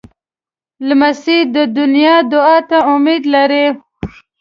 لمسی د نیا دعا ته امید لري.